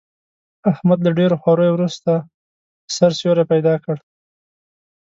احمد له ډېرو خواریو ورسته، د سر سیوری پیدا کړ.